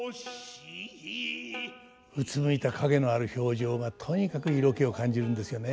うつむいた陰のある表情がとにかく色気を感じるんですよね。